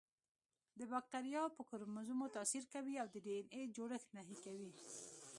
د باکتریاوو په کروموزومونو تاثیر کوي او د ډي این اې جوړښت نهي کوي.